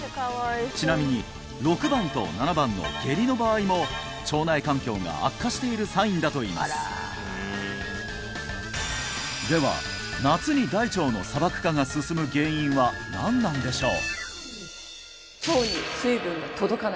ちなみに６番と７番の下痢の場合も腸内環境が悪化しているサインだといいますでは夏に大腸の砂漠化が進む原因は何なんでしょう？